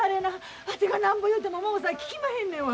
わてがなんぼ言うてもももさん聞きまへんねんわ。